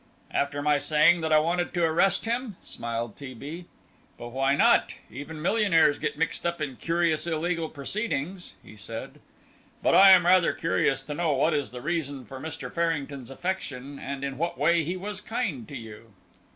"After my saying that I wanted to arrest him," smiled T. B. "But why not? Even millionaires get mixed up in curious illegal proceedings," he said; "but I am rather curious to know what is the reason for Mr. Farrington's affection and in what way he was kind to you."